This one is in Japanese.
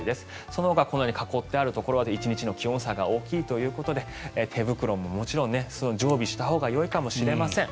そのほか囲ってあるところは１日の気温差が大きいということで手袋ももちろん常備したほうがよいかもしれません。